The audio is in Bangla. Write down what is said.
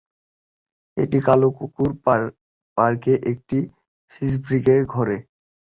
একটি কালো কুকুর পার্কে একটি ফ্রিসবিকে ধরে।